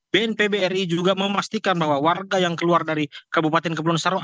bnpb ri juga memastikan bahwa warga yang keluar dari kabupaten kebun sarong